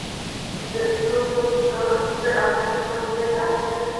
د ریبلو دوره پینځه او وروسته شپږ اوونیو ته وغځېده.